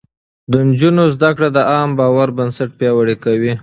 د نجونو زده کړه د عامه باور بنسټ پياوړی کوي.